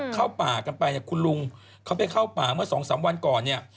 เข้าป่ากันไปคุณลุงเข้าไปเข้าป่าเมื่อ๒๓วันก่อนเนี่ย